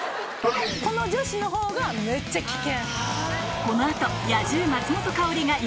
この女子の方がめっちゃ危険。